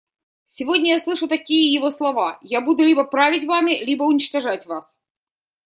Сегодня я слышу такие его слова: «Я буду либо править вами, либо уничтожать вас».